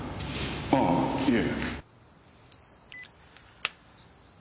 ああいえ。